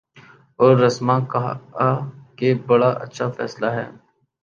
اور رسما کہا کہ بڑا اچھا فیصلہ ہے۔